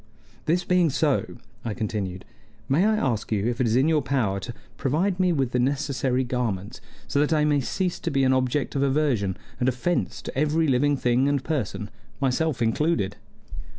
"This being so," I continued, "may I ask you if it is in your power to provide me with the necessary garments, so that I may cease to be an object of aversion and offense to every living thing and person, myself included?"